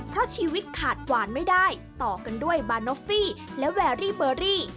เพราะชีวิตขาดหวานไม่ได้ต่อกันด้วยบานอฟฟี่และแวรี่เบอรี่